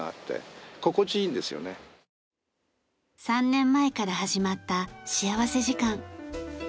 ３年前から始まった幸福時間。